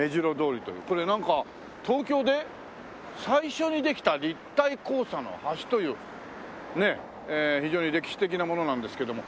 これなんか東京で最初にできた立体交差の橋というねえ非常に歴史的なものなんですけども。